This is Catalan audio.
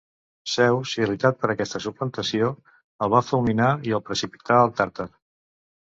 Zeus, irritat per aquesta suplantació, el va fulminar i el precipità al Tàrtar.